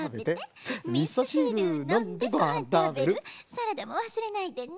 「サラダもわすれないでね」